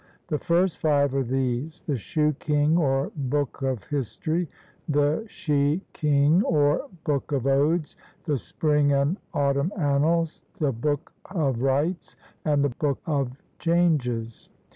The first five are these: the Shoo king, or Book of History; the She king, or Book of Odes; the Spring and Autumn Annals; the Book of Rites; and the Book of Changes.